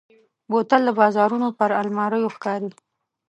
بوتل د بازارونو پر الماریو ښکاري.